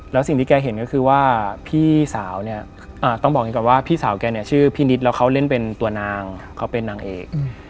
แล้วสิ่งที่แกเห็นก็คือว่าพี่สาวเนี่ยต้องบอกอย่างนี้ก่อนว่าพี่สาวแกเนี่ยชื่อพี่นิดแล้วเขาเล่นเป็นตัวนางเขาเป็นนางเอก